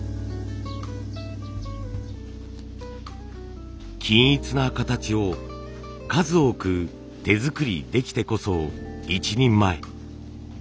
一個一個違くても均一な形を数多く手作りできてこそ一人前。